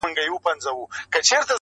• خو د سپي د ژوند موده وه پوره سوې,